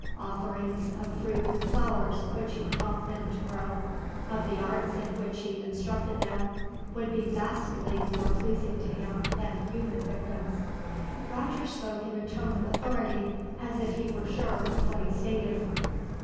Offerings of fruit and flowers, which he taught men to grow, of the arts in which he instructed them, would be vastly more pleasing to him than human victims." Roger spoke in a tone of authority, as if he were sure of what he stated.